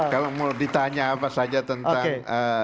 kalau mau ditanya apa saja tentang